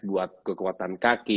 buat kekuatan kaki